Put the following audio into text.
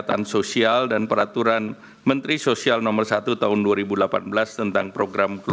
ini juga diberlakukan annisar tahu ini hari ini